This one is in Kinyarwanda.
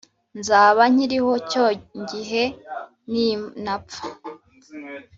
nzaba nkiriho cyongihe ni napfa